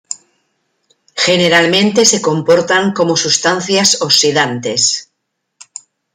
Generalmente se comportan como sustancias oxidantes.